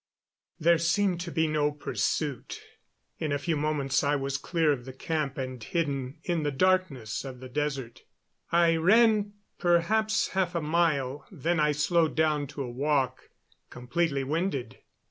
There seemed to be no pursuit. In a few moments I was clear of the camp and hidden in the darkness of the desert. I ran perhaps half a mile, then I slowed down to a walk, completely winded.